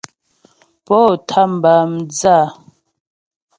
Pó tám bǎ mdzə́ a ?